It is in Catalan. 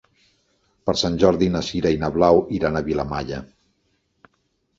Per Sant Jordi na Sira i na Blau iran a Vilamalla.